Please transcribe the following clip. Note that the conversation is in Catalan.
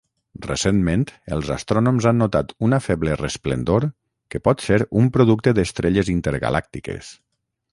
Recentment els astrònoms han notat una feble resplendor que pot ser un producte d'estrelles intergalàctiques.